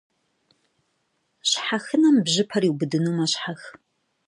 Щхьэхынэм бжьыпэр иубыдыну мэщхьэх.